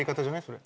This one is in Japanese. それ。